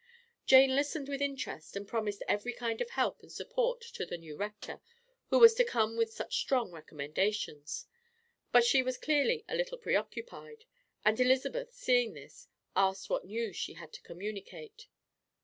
Jane listened with interest and promised every kind of help and support to the new Rector, who was to come with such strong recommendations; but she was clearly a little preoccupied, and Elizabeth, seeing this, asked what news she had to communicate.